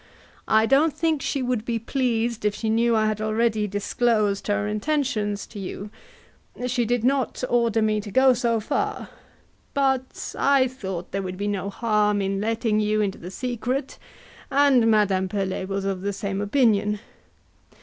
I don't think she would be pleased if she knew I had already disclosed her intentions to you; she did not order me to go so far, but I thought there would be no harm in letting you into the secret, and Madame Pelet was of the same opinion.